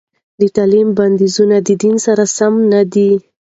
د تعليم بندیز د دین سره سم نه دی.